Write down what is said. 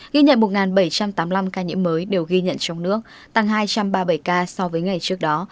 ghi nhận một bảy trăm tám mươi năm ca nhiễm mới đều ghi nhận trong nước tăng hai trăm ba mươi bảy ca so với ngày trước đó